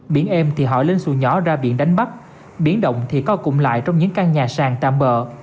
biển êm thì họ lên sùi nhỏ ra biển đánh bắp biển động thì coi cùng lại trong những căn nhà sàng tạm bờ